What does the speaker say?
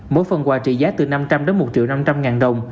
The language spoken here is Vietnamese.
mỗi phần quà trị giá từ năm trăm linh một năm trăm linh đồng